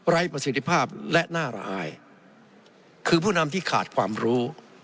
ประสิทธิภาพและน่าระอายคือผู้นำที่ขาดความรู้